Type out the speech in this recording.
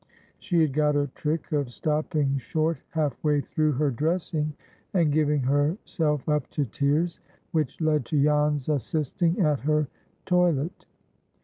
She had got a trick of stopping short half way through her dressing, and giving herself up to tears, which led to Jan's assisting at her toilette.